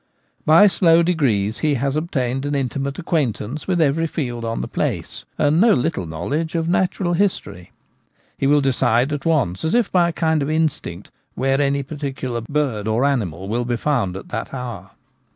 By slow degrees he has obtained an intimate acquaintance with every field on the place, and no little knowledge of natural history. He will decide at once, as if by a kind of instinct, where any Tricks of Assistants. 33 particular bird or animal will be found at that hour.